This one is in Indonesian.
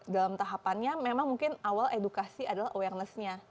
dalam tahapannya memang mungkin awal edukasi adalah awarenessnya